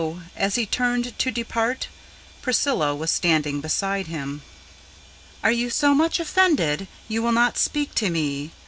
as he turned to depart, Priscilla was standing beside him. "Are you so much offended, you will not speak to me?"